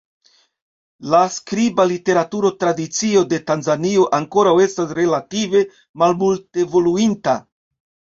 La skriba literatura tradicio de Tanzanio ankoraŭ estas relative malmultevoluinta.